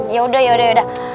yaudah yaudah yaudah